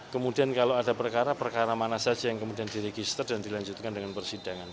kemudian kalau ada perkara perkara mana saja yang kemudian diregister dan dilanjutkan dengan persidangan